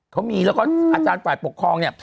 เขามีแล้วก็อาจารย์ฝ่ายปกครองเนี่ย